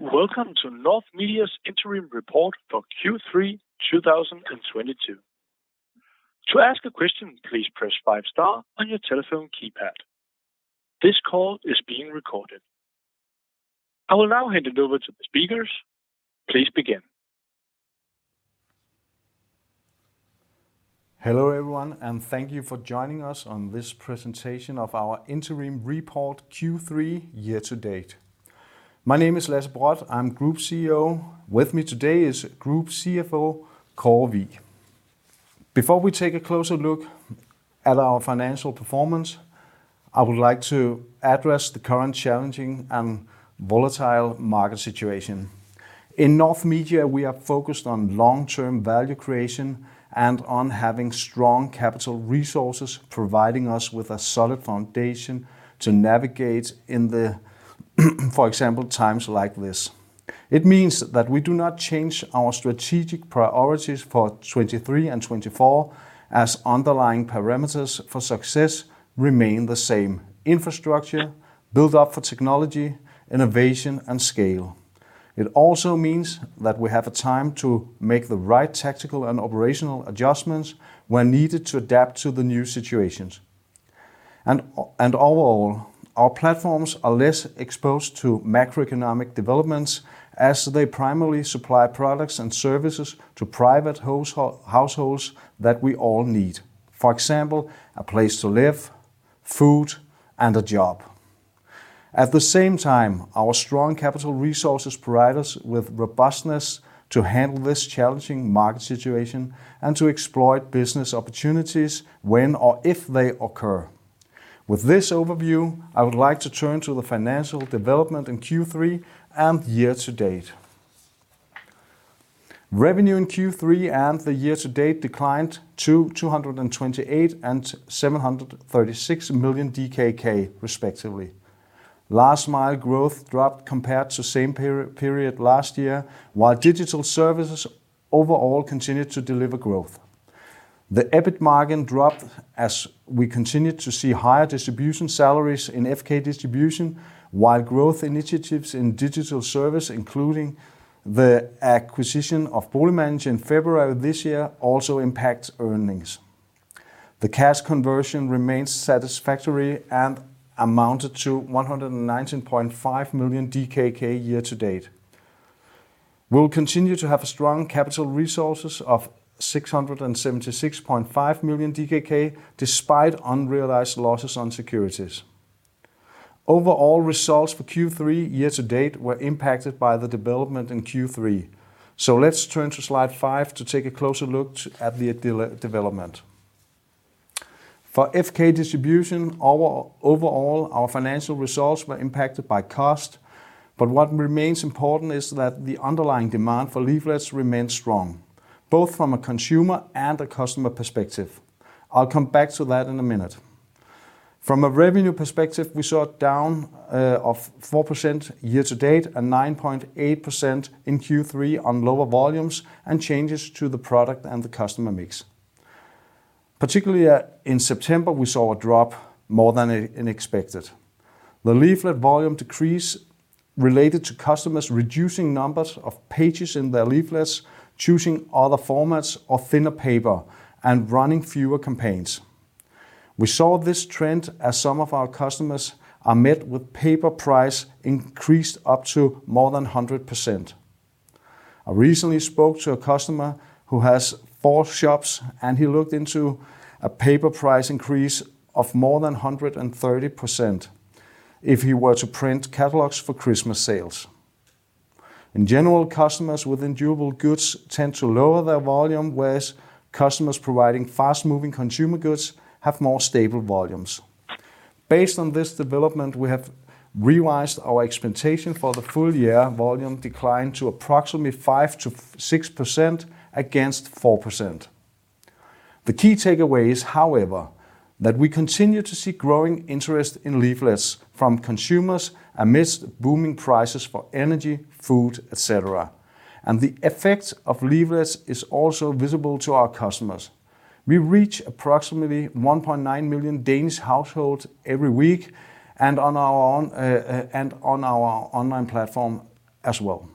Welcome to North Media's interim report for Q3 2022. To ask a question, please press five star on your telephone keypad. This call is being recorded. I will now hand it over to the speakers. Please begin. Hello, everyone, and thank you for joining us on this presentation of our interim report Q3 year to date. My name is Lasse Brodt. I'm Group CEO. With me today is Group CFO Kåre Wigh. Before we take a closer look at our financial performance, I would like to address the current challenging and volatile market situation. In North Media, we are focused on long-term value creation and on having strong capital resources, providing us with a solid foundation to navigate in the, for example, times like this. It means that we do not change our strategic priorities for 2023 and 2024, as underlying parameters for success remain the same, infrastructure, build-up for technology, innovation and scale. It also means that we have a time to make the right tactical and operational adjustments when needed to adapt to the new situations. Overall, our platforms are less exposed to macroeconomic developments as they primarily supply products and services to private households that we all need. For example, a place to live, food, and a job. At the same time, our strong capital resources provide us with robustness to handle this challenging market situation and to exploit business opportunities when or if they occur. With this overview, I would like to turn to the financial development in Q3 and year to date. Revenue in Q3 and the year to date declined to 228 million and 736 million DKK respectively. Last Mile growth dropped compared to same period last year, while digital services overall continued to deliver growth. The EBIT margin dropped as we continued to see higher distribution salaries in FK Distribution, while growth initiatives in digital service, including the acquisition of Boligmanager in February this year, also impacts earnings. The cash conversion remains satisfactory and amounted to 119.5 million DKK year to date. We'll continue to have strong capital resources of 676.5 million DKK, despite unrealized losses on securities. Overall results for Q3 year to date were impacted by the development in Q3. Let's turn to slide five to take a closer look at the development. For FK Distribution, overall, our financial results were impacted by cost, but what remains important is that the underlying demand for leaflets remains strong, both from a consumer and a customer perspective. I'll come back to that in a minute. From a revenue perspective, we saw a down of 4% year to date and 9.8% in Q3 on lower volumes and changes to the product and the customer mix. Particularly in September, we saw a drop more than expected. The leaflet volume decrease related to customers reducing numbers of pages in their leaflets, choosing other formats or thinner paper and running fewer campaigns. We saw this trend as some of our customers are met with paper price increases up to more than 100%. I recently spoke to a customer who has four shops, and he looked into a paper price increase of more than 130% if he were to print catalogs for Christmas sales. In general, customers with durable goods tend to lower their volume, whereas customers providing fast-moving consumer goods have more stable volumes. Based on this development, we have revised our expectation for the full year volume decline to approximately 5-6% against 4%. The key takeaway is, however, that we continue to see growing interest in leaflets from consumers amidst booming prices for energy, food, et cetera. The effect of leaflets is also visible to our customers. We reach approximately 1.9 million Danish households every week and on our own and on our online platform as well.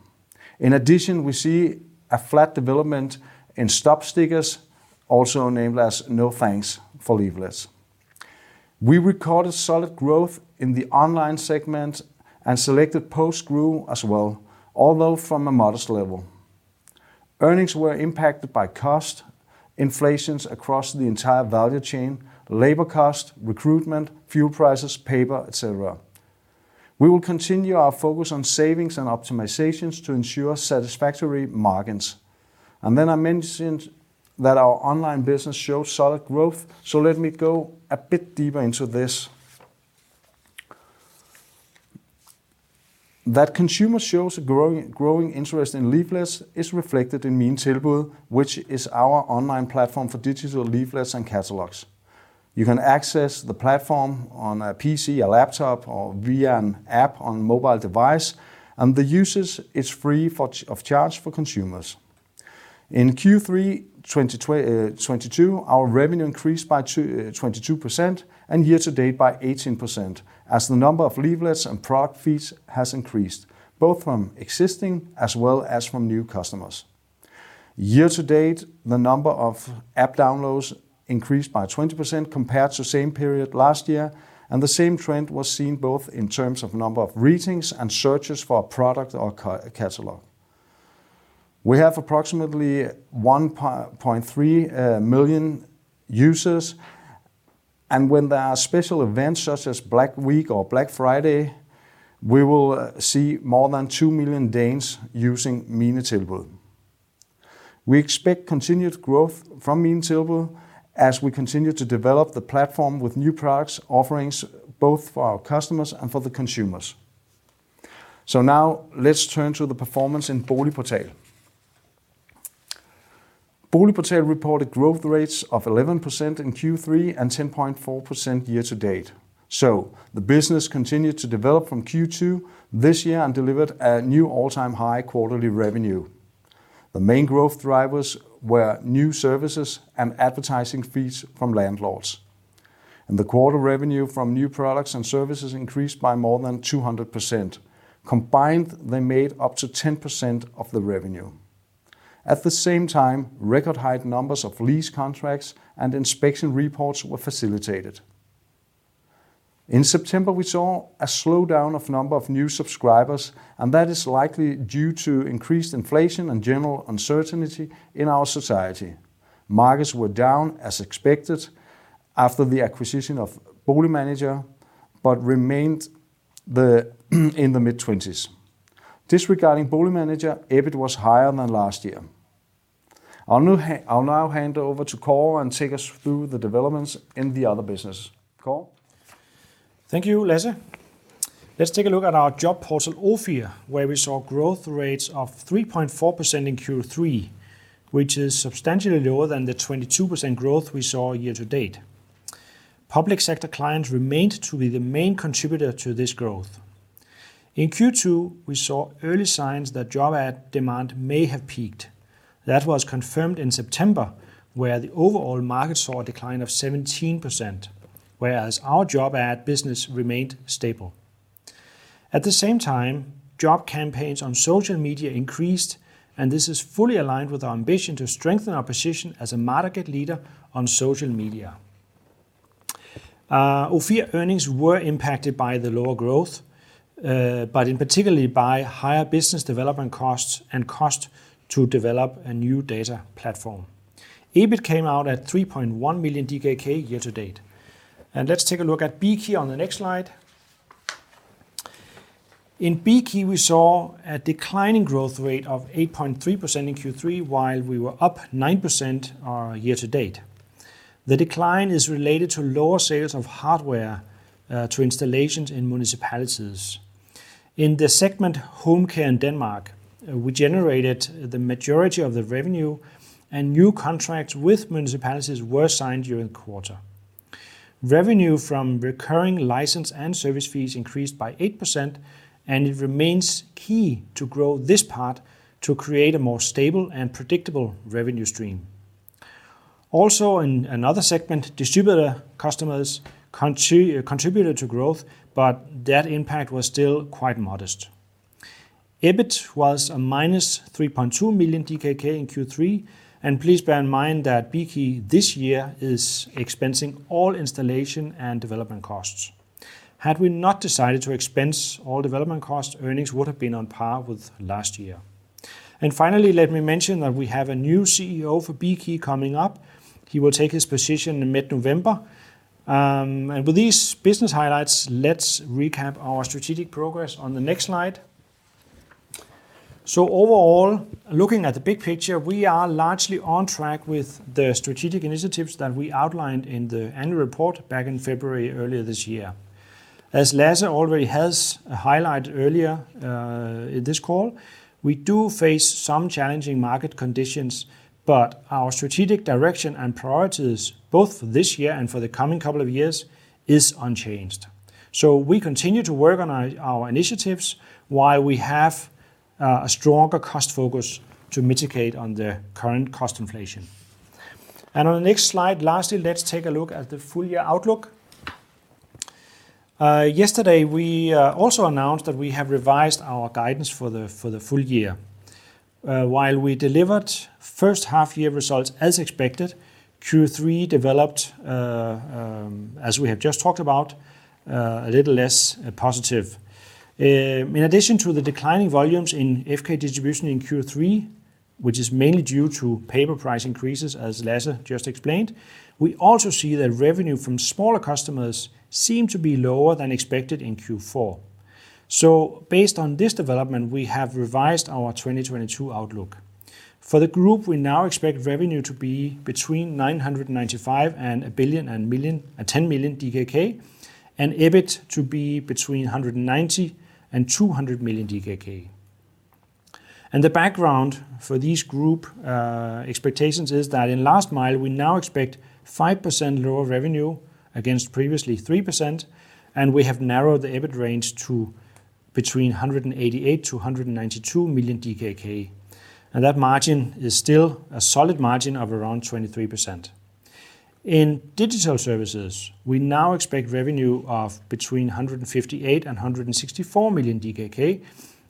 In addition, we see a flat development in stop stickers, also named as "No thanks" for leaflets. We recorded solid growth in the online segment and SelectPost grew as well, although from a modest level. Earnings were impacted by cost inflation across the entire value chain, labor cost, recruitment, fuel prices, paper, et cetera. We will continue our focus on savings and optimizations to ensure satisfactory margins. I mentioned that our online business shows solid growth. Let me go a bit deeper into this. That consumer shows a growing interest in leaflets is reflected in minetilbud, which is our online platform for digital leaflets and catalogs. You can access the platform on a PC, a laptop, or via an app on mobile device, and the usage is free of charge for consumers. In Q3 2022, our revenue increased by 22% and year to date by 18% as the number of leaflets and product fees has increased, both from existing as well as from new customers. Year to date, the number of app downloads increased by 20% compared to same period last year, and the same trend was seen both in terms of number of ratings and searches for our product or catalog. We have approximately 1.3 million users, and when there are special events such as Black Week or Black Friday, we will see more than 2 million Danes using minetilbud. We expect continued growth from minetilbud as we continue to develop the platform with new products, offerings both for our customers and for the consumers. Now let's turn to the performance in BoligPortal. BoligPortal reported growth rates of 11% in Q3 and 10.4% year to date. The business continued to develop from Q2 this year and delivered a new all-time high quarterly revenue. The main growth drivers were new services and advertising fees from landlords. The quarter revenue from new products and services increased by more than 200%. Combined, they made up to 10% of the revenue. At the same time, record high numbers of lease contracts and inspection reports were facilitated. In September, we saw a slowdown of number of new subscribers, and that is likely due to increased inflation and general uncertainty in our society. Margins were down as expected after the acquisition of Boligmanager, but remained in the mid 20s%. Disregarding Boligmanager, EBIT was higher than last year. I'll now hand over to Kåre and take us through the developments in the other business. Kåre? Thank you, Lasse. Let's take a look at our job portal, Ofir, where we saw growth rates of 3.4% in Q3, which is substantially lower than the 22% growth we saw year to date. Public sector clients remained to be the main contributor to this growth. In Q2, we saw early signs that job ad demand may have peaked. That was confirmed in September, where the overall market saw a decline of 17%, whereas our job ad business remained stable. At the same time, job cam paigns on social media increased, and this is fully aligned with our ambition to strengthen our position as a market leader on social media. Ofir earnings were impacted by the lower growth, but in particular by higher business development costs and cost to develop a new data platform. EBIT came out at 3.1 million DKK year to date. Let's take a look at Bekey on the next slide. In Bekey, we saw a declining growth rate of 8.3% in Q3 while we were up 9% year to date. The decline is related to lower sales of hardware to installations in municipalities. In the segment Home Care and Denmark, we generated the majority of the revenue and new contracts with municipalities were signed during the quarter. Revenue from recurring license and service fees increased by 8%, and it remains key to grow this part to create a more stable and predictable revenue stream. Also, in another segment, distributor customers contributed to growth, but that impact was still quite modest. EBIT was -3.2 million DKK in Q3, and please bear in mind that Bekey this year is expensing all installation and development costs. Had we not decided to expense all development costs, earnings would have been on par with last year. Finally, let me mention that we have a new CEO for Bekey coming up. He will take his position in mid-November. With these business highlights, let's recap our strategic progress on the next slide. Overall, looking at the big picture, we are largely on track with the strategic initiatives that we outlined in the annual report back in February earlier this year. As Lasse already has highlighted earlier, in this call, we do face some challenging market conditions, but our strategic direction and priorities both for this year and for the coming couple of years is unchanged. We continue to work on our initiatives while we have a stronger cost focus to mitigate on the current cost inflation. On the next slide, lastly, let's take a look at the full year outlook. Yesterday, we also announced that we have revised our guidance for the full year. While we delivered first half year results as expected, Q3 developed, as we have just talked about, a little less positive. In addition to the declining volumes in FK Distribution in Q3, which is mainly due to paper price increases, as Lasse just explained, we also see that revenue from smaller customers seem to be lower than expected in Q4. Based on this development, we have revised our 2022 outlook. For the group, we now expect revenue to be between 995 million and 1,010 million DKK, and EBIT to be between 190 million and 200 million DKK. The background for these group expectations is that in Last Mile, we now expect 5% lower revenue against previously 3%, and we have narrowed the EBIT range to Between 188 and 192 million DKK. That margin is still a solid margin of around 23%. In digital services, we now expect revenue of between 158 and 164 million DKK,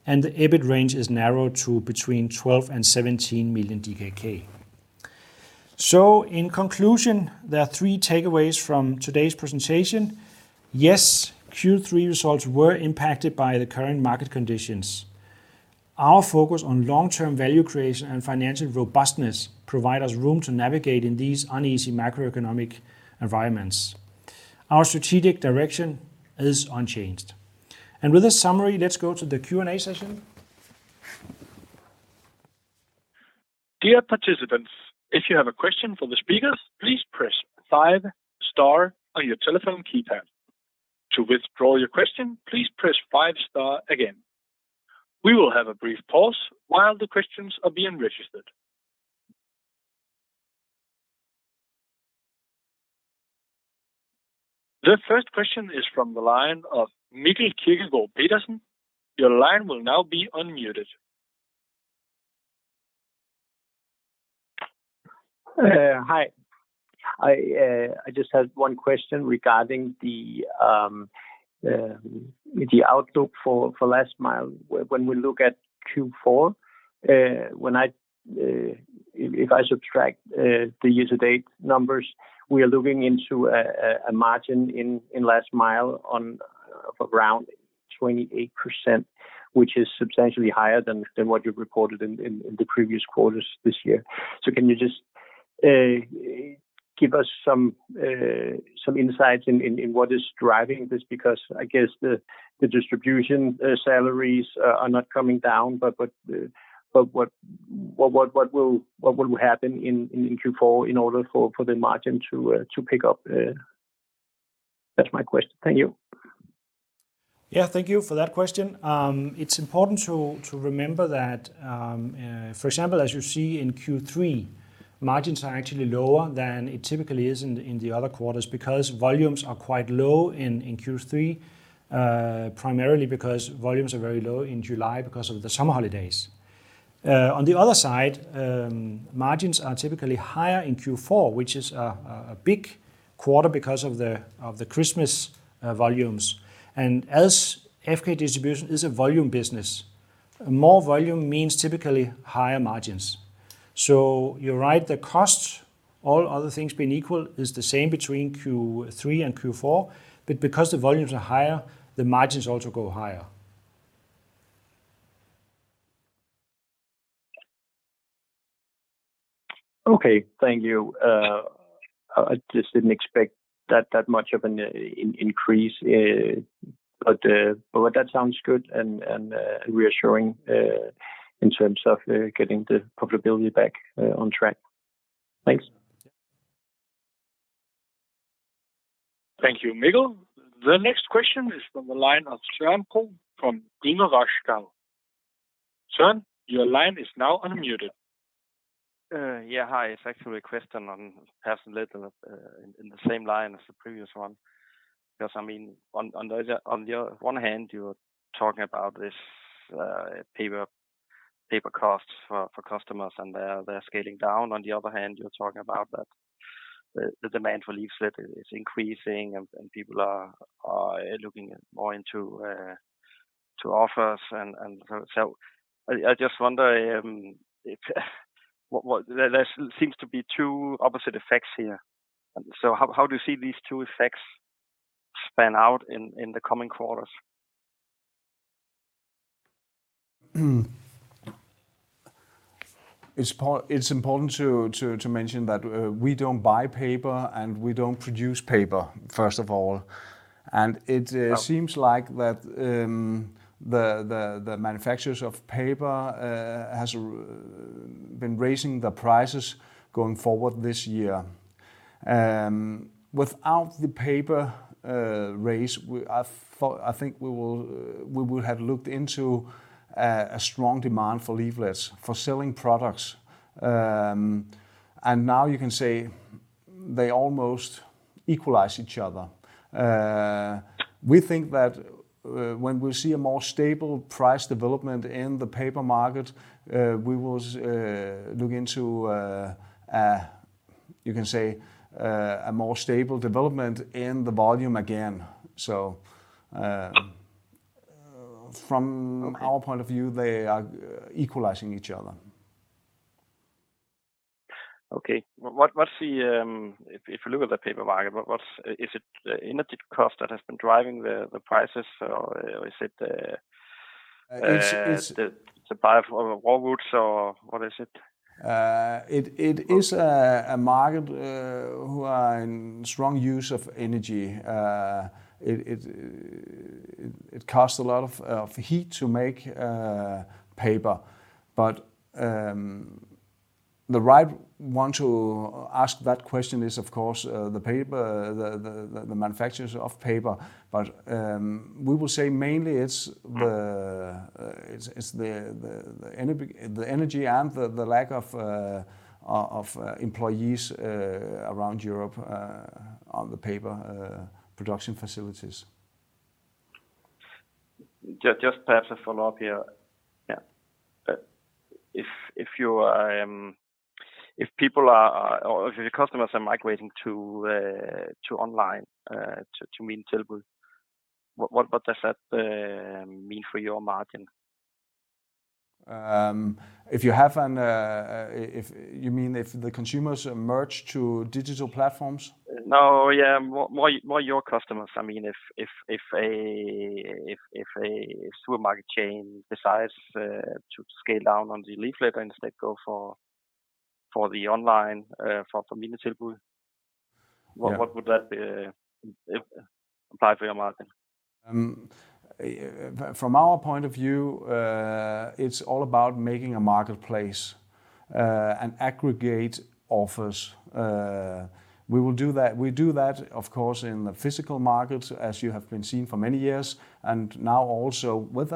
and the EBIT range is narrowed to between 12 and 17 million DKK. In conclusion, there are three takeaways from today's presentation. Yes, Q3 results were impacted by the current market conditions. Our focus on long-term value creation and financial robustness provide us room to navigate in these uneasy macroeconomic environments. Our strategic direction is unchanged. With this summary, let's go to the Q&A session. Dear participants, if you have a question for the speakers, please press five star on your telephone keypad. To withdraw your question, please press five star again. We will have a brief pause while the questions are being registered. The first question is from the line of Mikkel Kirkegaard Petersen. Your line will now be unmuted. Hi. I just had one question regarding the outlook for Last Mile. When we look at Q4, if I subtract the user data numbers, we are looking into a margin in Last Mile of around 28%, which is substantially higher than what you've reported in the previous quarters this year. Can you just give us some insights into what is driving this? Because I guess the distribution salaries are not coming down, but what will happen in Q4 in order for the margin to pick up? That's my question. Thank you. Yeah, thank you for that question. It's important to remember that, for example, as you see in Q3, margins are actually lower than it typically is in the other quarters because volumes are quite low in Q3, primarily because volumes are very low in July because of the summer holidays. On the other side, margins are typically higher in Q4, which is a big quarter because of the Christmas volumes. As FK Distribution is a volume business, more volume means typically higher margins. You're right, the cost, all other things being equal, is the same between Q3 and Q4. Because the volumes are higher, the margins also go higher. Okay. Thank you. I just didn't expect that much of an increase, but that sounds good and reassuring in terms of getting the profitability back on track. Thanks. Thank you, Mikkel. The next question is from the line of Søren Pihl from DNB. Søren, your line is now unmuted. Yeah, hi. It's actually a question on personally in the same line as the previous one. Because I mean, on the one hand you're talking about this paper costs for customers, and they're scaling down. On the other hand, you're talking about that the demand for leaflets is increasing and people are looking more into offers and so I just wonder. There seems to be two opposite effects here. How do you see these two effects pan out in the coming quarters? It's important to mention that we don't buy paper, and we don't produce paper, first of all. Oh. It seems like the manufacturers of paper has been raising the prices going forward this year. Without the paper raise, we would have looked into a strong demand for leaflets for selling products. Now you can say they almost equalize each other. We think that when we see a more stable price development in the paper market, we will look into a you can say a more stable development in the volume again. Okay From our point of view, they are equalizing each other. Okay. If you look at the paper market, is it the energy cost that has been driving the prices, or is it the? It's. The buy of raw woods or what is it? It is a market who are in strong use of energy. It costs a lot of heat to make paper. The right one to ask that question is, of course, the paper manufacturers of paper. We will say mainly it's the energy and the lack of employees around Europe on the paper production facilities. Just perhaps a follow-up here. Yeah. If your customers are migrating to minetilbud, what does that mean for your margin? If you mean if the consumers merge to digital platforms? No. Yeah. More of your customers. I mean, if a supermarket chain decides to scale down on the leaflet and instead go for the online for minetilbud. Yeah What would that apply for your margin? From our point of view, it's all about making a marketplace and aggregating offers. We will do that. We do that, of course, in the physical markets as you have been seeing for many years, and now also with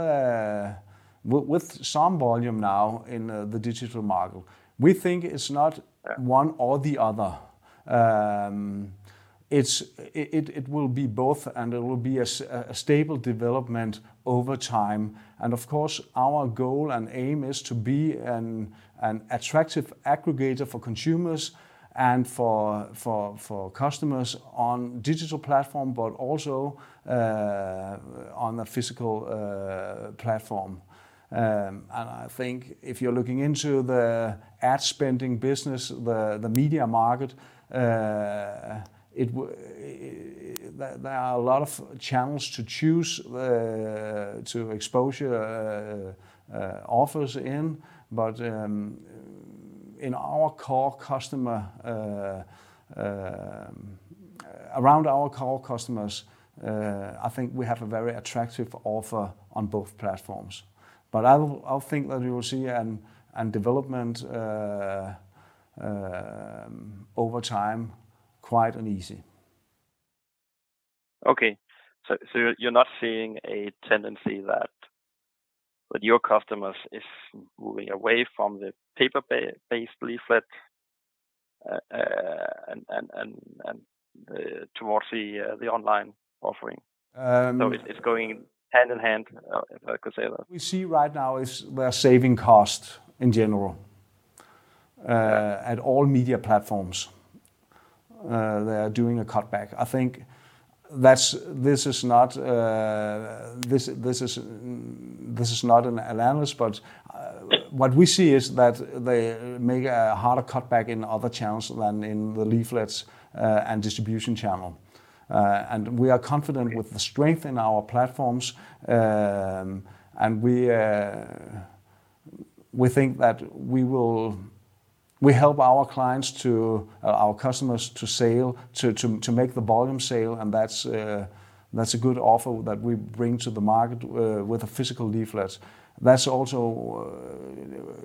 some volume now in the digital market. We think it's not one or the other. It will be both, and it will be a stable development over time. Of course, our goal and aim is to be an attractive aggregator for consumers and for customers on digital platform, but also on the physical platform. I think if you're looking into the ad spending business, the media market, there are a lot of channels to choose to expose your offers in. Around our core customers, I think we have a very attractive offer on both platforms. I'll think that we will see a development over time, quite an easy. Okay. You're not seeing a tendency that your customers is moving away from the paper-based leaflet, and towards the online offering? Um- It's going hand in hand, if I could say that. We see right now is they're saving costs in general. Yeah. At all media platforms, they are doing a cutback. I think this is not an analyst, but what we see is that they make a harder cutback in other channels than in the leaflets and distribution channel. We are confident with the strength in our platforms. We think that we help our clients to, our customers to sell, to make the volume sale. That's a good offer that we bring to the market with the physical leaflets. That's also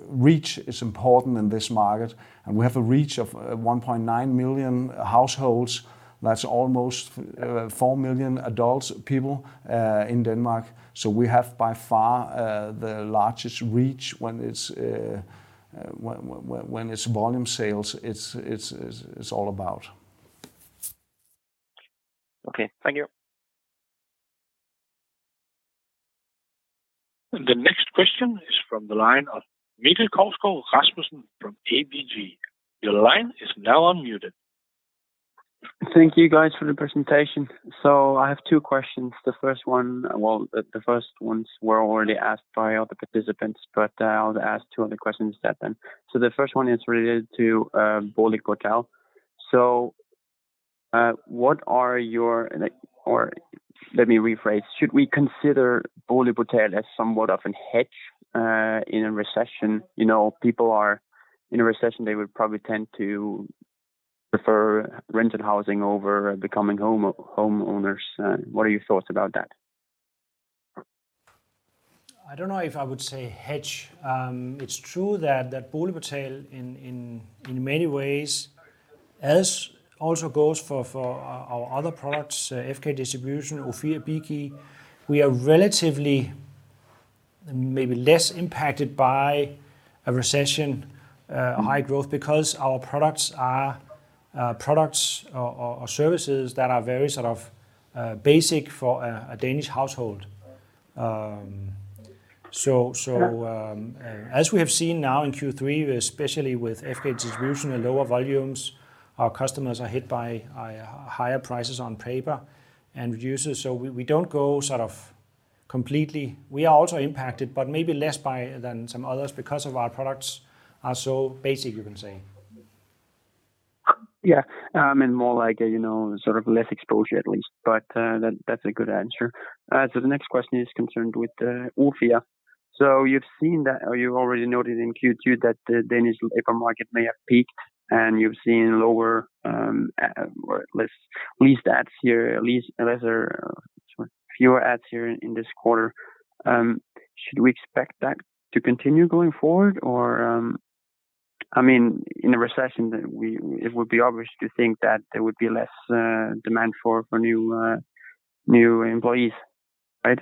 reach is important in this market, and we have a reach of 1.9 million households. That's almost 4 million adults, people in Denmark. We have by far the largest reach when it's volume sales. It's all about. Okay. Thank you. The next question is from the line of Mikkel Kousgaard Rasmussen from ABG. Your line is now unmuted. Thank you guys for the presentation. I have two questions. The first ones were already asked by other participants, but I'll ask two other questions then. The first one is related to BoligPortal. Or let me rephrase. Should we consider BoligPortal as somewhat of a hedge in a recession? You know, people are in a recession, they would probably tend to prefer rented housing over becoming homeowners. What are your thoughts about that? I don't know if I would say hedge. It's true that BoligPortal in many ways, as also goes for our other products, FK Distribution, Ofir, Bekey, we are relatively maybe less impacted by a recession, high growth because our products are products or services that are very sort of basic for a Danish household. Yeah As we have seen now in Q3, especially with FK Distribution and lower volumes, our customers are hit by higher prices on paper and news. We don't go sort of completely. We are also impacted, but maybe less so than some others because of our products are so basic, you can say. Yeah. I mean more like, you know, sort of less exposure at least. That's a good answer. The next question is concerned with Ofir. You've seen that or you already noted in Q2 that the Danish labor market may have peaked, and you've seen lower or less classified ads here, at least fewer ads here in this quarter. Should we expect that to continue going forward or, I mean, in a recession, it would be obvious to think that there would be less demand for new employees, right?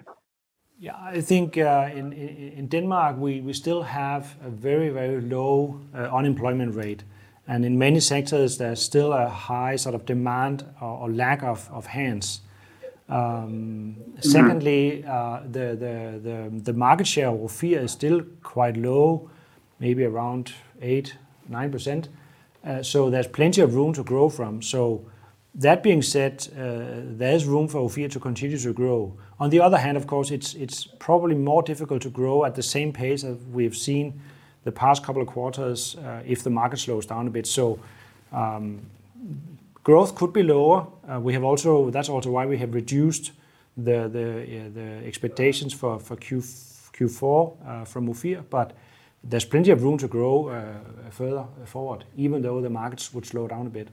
Yeah. I think in Denmark we still have a very, very low unemployment rate, and in many sectors there's still a high sort of demand or lack of hands. Mm-hmm Secondly, the market share of Ofir is still quite low, maybe around 8%-9%. There's plenty of room to grow from. That being said, there is room for Ofir to continue to grow. On the other hand, of course, it's probably more difficult to grow at the same pace as we've seen the past couple of quarters, if the market slows down a bit. Growth could be lower. That's also why we have reduced the expectations for Q4 from Ofir. There's plenty of room to grow further forward, even though the markets would slow down a bit.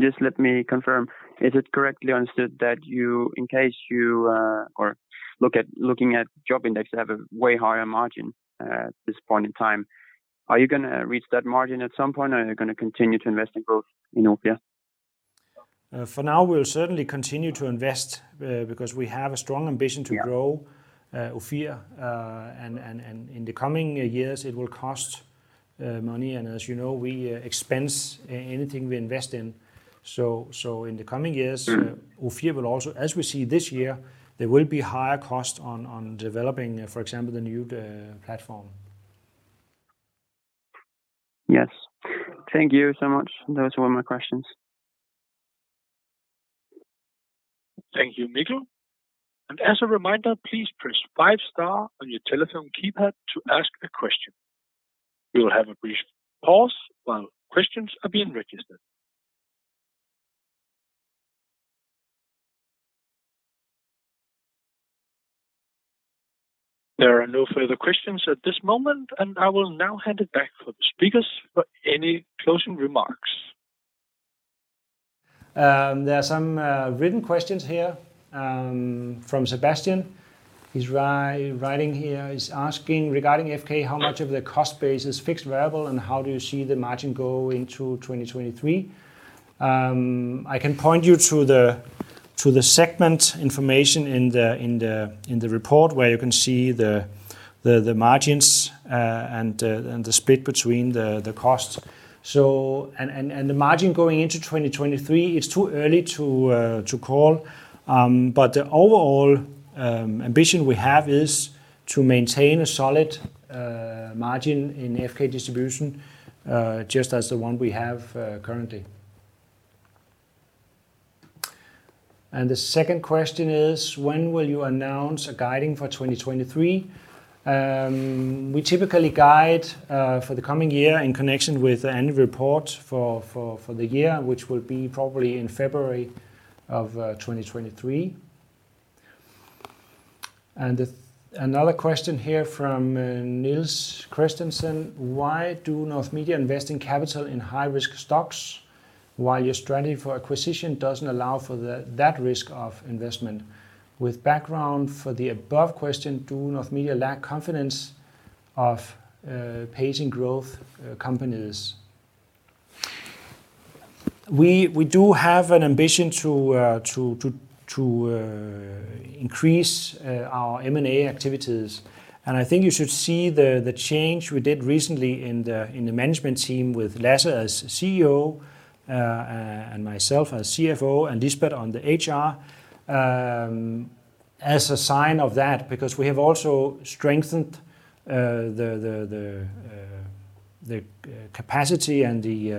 Just let me confirm, is it correctly understood that you, looking at Jobindex, have a way higher margin at this point in time? Are you gonna reach that margin at some point? Are you gonna continue to invest in growth in Ofir? For now, we'll certainly continue to invest, because we have a strong ambition to grow. Yeah Ofir. In the coming years it will cost money and as you know, we expense anything we invest in. In the coming years Mm-hmm Ofir will also. As we see this year, there will be higher costs on developing, for example, the new platform. Yes. Thank you so much. Those were my questions. Thank you, Mikkel. As a reminder, please press five star on your telephone keypad to ask a question. We will have a brief pause while questions are being registered. There are no further questions at this moment, and I will now hand it back to the speakers for any closing remarks. There are some written questions here from Sebastian. He's writing here. He's asking regarding FK, how much of the cost base is fixed variable, and how do you see the margin go into 2023? I can point you to the segment information in the report where you can see the margins and the split between the costs. The margin going into 2023, it's too early to call. But the overall ambition we have is to maintain a solid margin in FK Distribution just as the one we have currently. The second question is, when will you announce a guidance for 2023? We typically guide for the coming year in connection with the annual report for the year, which will be probably in February of 2023. Another question here from Nils Christensen. Why do North Media invest capital in high-risk stocks while your strategy for acquisition doesn't allow for that risk of investment? With background for the above question, do North Media lack confidence of pursuing growth companies? We do have an ambition to increase our M&A activities. I think you should see the change we did recently in the management team with Lasse as CEO, and myself as CFO, and Lisbeth on the HR, as a sign of that because we have also strengthened the capacity and the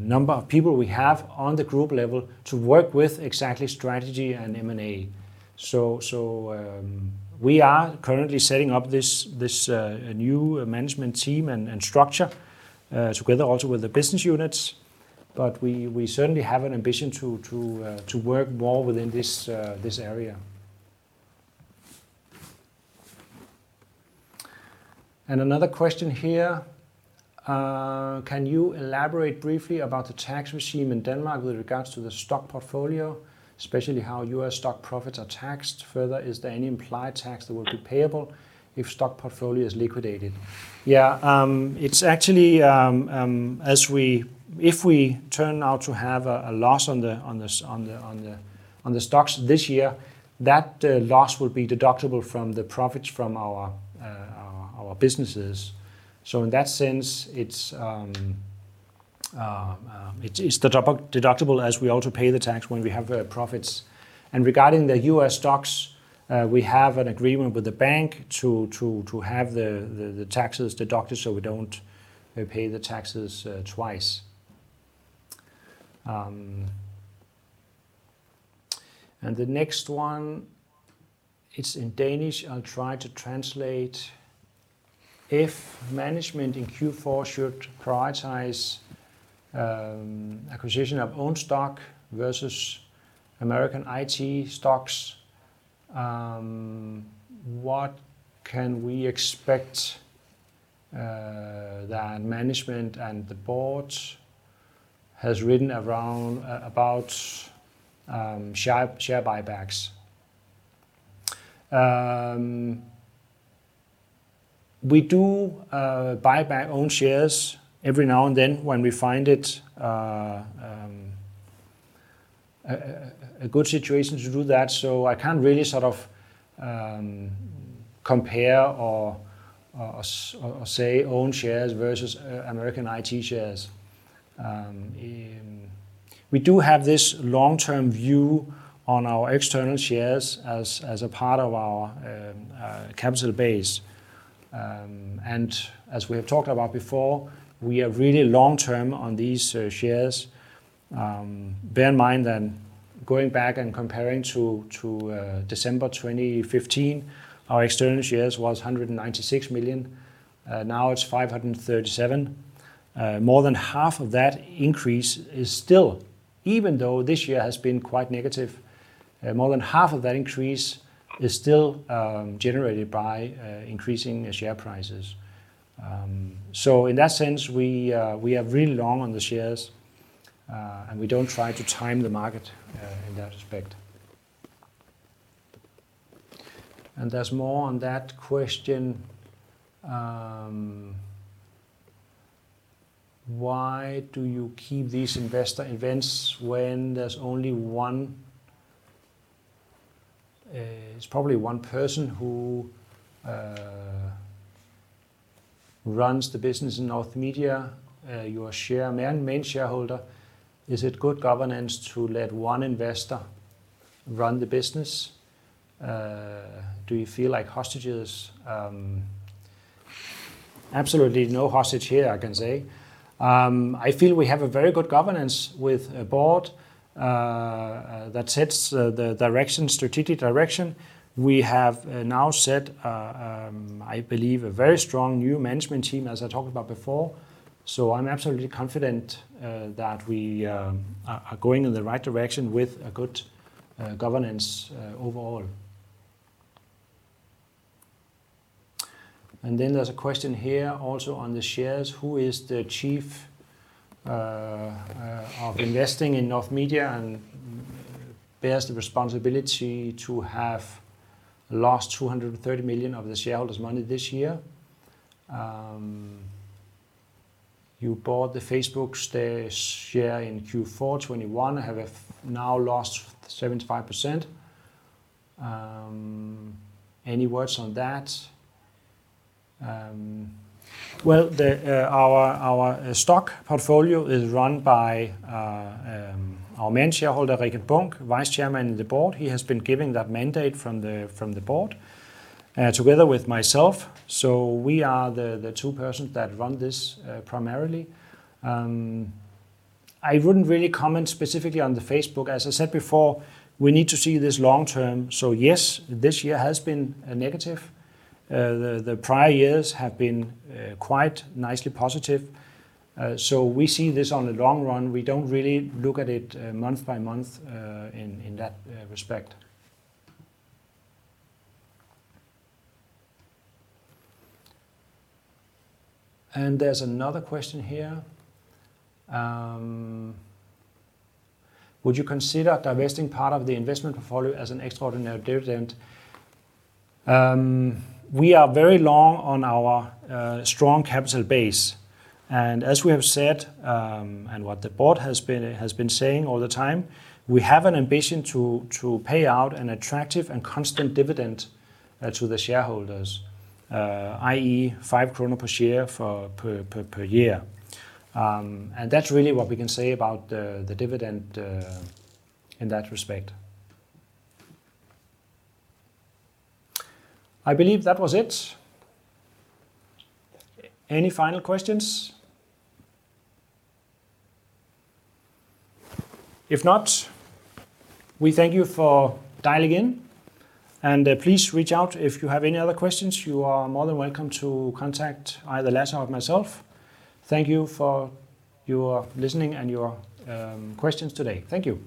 number of people we have on the group level to work with exactly strategy and M&A. We are currently setting up this new management team and structure together also with the business units. We certainly have an ambition to work more within this area. Another question here. Can you elaborate briefly about the tax regime in Denmark with regards to the stock portfolio, especially how U.S. stock profits are taxed? Further, is there any implied tax that will be payable if stock portfolio is liquidated? Yeah. It's actually. If we turn out to have a loss on the stocks this year, that loss will be deductible from the profits from our businesses. So in that sense, it's deductible as we also pay the tax when we have profits. Regarding the U.S. stocks, we have an agreement with the bank to have the taxes deducted so we don't pay the taxes twice. The next one, it's in Danish. I'll try to translate. If management in Q4 should prioritize acquisition of own stock versus American IT stocks, what can we expect that management and the board has written around about share buybacks. We do buy back own shares every now and then when we find it a good situation to do that. I can't really sort of compare or say own shares versus American IT shares. We do have this long-term view on our external shares as a part of our capital base. As we have talked about before, we are really long-term on these shares. Bear in mind then going back and comparing to December 2015, our external shares was 196 million. Now it's 537 million. More than half of that increase is still even though this year has been quite negative, generated by increasing share prices. In that sense, we are really long on the shares, and we don't try to time the market in that respect. There's more on that question. Why do you keep these investor events when there's only one? It's probably one person who runs the business in North Media, your main shareholder. Is it good governance to let one investor run the business? Do you feel like hostages? Absolutely no hostage here I can say. I feel we have a very good governance with a board that sets the direction, strategic direction. We have now set a I believe a very strong new management team as I talked about before. I'm absolutely confident that we are going in the right direction with a good governance overall. There's a question here also on the shares. Who is the chief of investing in North Media and bears the responsibility to have lost 230 million of the shareholders' money this year? You bought the Facebook share in Q4 2021, have now lost 75%. Any words on that? Well, our stock portfolio is run by our main shareholder, Richard Bunck, Vice Chairman of the Board. He has been given that mandate from the board together with myself. We are the two persons that run this primarily. I wouldn't really comment specifically on Facebook. As I said before, we need to see this long term. Yes, this year has been a negative. The prior years have been quite nicely positive. We see this in the long run. We don't really look at it month by month in that respect. There's another question here. Would you consider divesting part of the investment portfolio as an extraordinary dividend? We are very long on our strong capital base. As we have said, and what the board has been saying all the time, we have an ambition to pay out an attractive and constant dividend to the shareholders, i.e., 5 kroner per share per year. That's really what we can say about the dividend in that respect. I believe that was it. Any final questions? If not, we thank you for dialing in, and please reach out if you have any other questions. You are more than welcome to contact either Lasse or myself. Thank you for your listening and your questions today. Thank you.